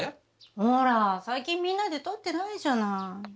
ほら最近みんなで撮ってないじゃない。